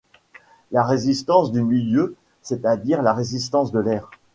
La résistance du milieu, c’est-à-dire la résistance de l’air